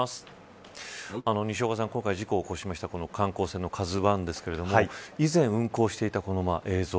西岡さん、今回事故を起こした観光船のＫＡＺＵ１ですが以前、運航していた映像